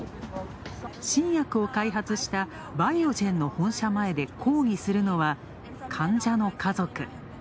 新薬を開発したバイオジェンの本社前で抗議するのは、患者の家族。